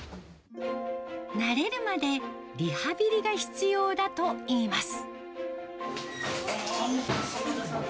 慣れるまでリハビリが必要だといいます。